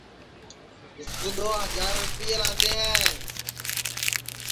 مِسکُُو دؔو ہجار رِیپئے لادھے ہے